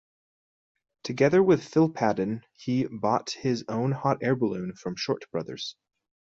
Together with Phil Paddon he bought his own hot air balloon from Short Brothers.